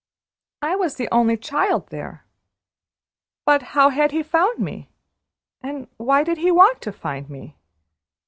"I was the only child there; but how had he found me, and why did he want to find me?